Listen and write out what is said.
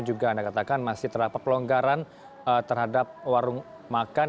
juga anda katakan masih terdapat pelonggaran terhadap warung makan